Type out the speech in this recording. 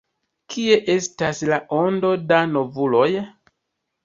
Kie estas la ondo da novuloj?